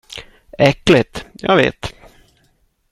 Äckligt, jag vet.